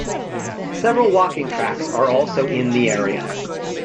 Several walking tracks are also in the area.